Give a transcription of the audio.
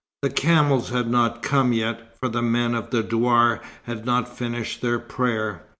The camels had not come yet, for the men of the douar had not finished their prayer.